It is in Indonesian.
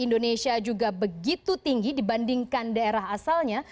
indonesia juga begitu tinggi dibandingkan daerah asalnya